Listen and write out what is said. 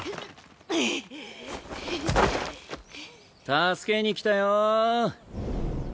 助けに来たよ。